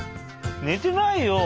ねてないよ？